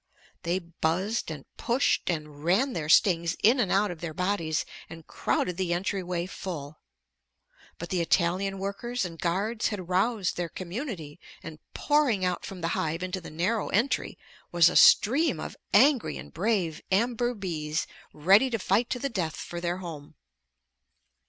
They buzzed and pushed and ran their stings in and out of their bodies, and crowded the entryway full. But the Italian workers and guards had roused their community, and pouring out from the hive into the narrow entry was a stream of angry and brave amber bees, ready to fight to the death for their home.